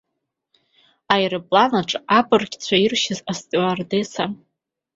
Аероплан аҿы абрагьцәа иршьыз астиуардесса.